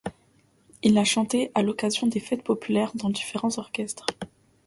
Il a chanté à l’occasion des fêtes populaires dans différents orchestres.